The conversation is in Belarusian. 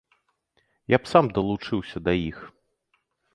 Я б сам далучыўся да іх!